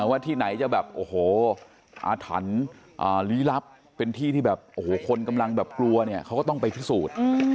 ว่าที่ไหนจะแบบอาถรรพ์เป็นที่ที่แบบคนกำลังแบบกลัวเนี่ยเขาก็ต้องไปที่สูตร